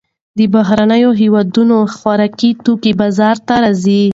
د بهرنیو هېوادونو خوراکي توکي بازار ته راځي.